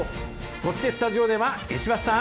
そしてスタジオでは、石橋さん。